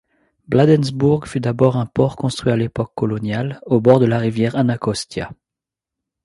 Bladensburg fut d'abord un port construit à l'époque coloniale au bord la rivière Anacostia.